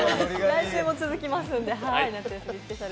来週も続きますんで、夏休みスペシャル。